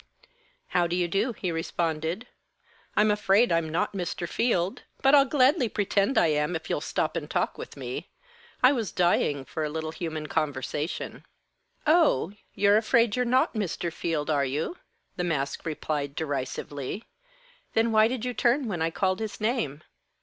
"How do you do?" he responded. "I'm afraid I'm not Mr. Field; but I'll gladly pretend I am, if you'll stop and talk with me. I was dying for a little human conversation." "Oh you're afraid you're not Mr. Field, are you?" the mask replied derisively. "Then why did you turn when I called his name?"